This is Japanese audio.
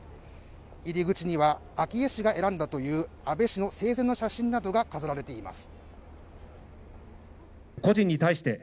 入り口には昭恵氏が選んだという安倍氏の生前の写真などが飾られています